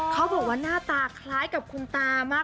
เขาบอกว่าหน้าตาคล้ายกับคุณตามาก